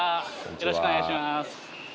よろしくお願いします